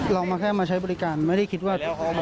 เรามาแค่มาใช้บริการไม่ได้คิดว่าจะเลยเผ็ดกัน